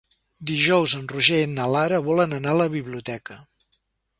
Dijous en Roger i na Lara volen anar a la biblioteca.